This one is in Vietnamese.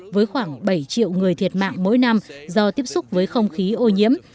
với khoảng bảy triệu người thiệt mạng mỗi năm do tiếp xúc với không khí ô nhiễm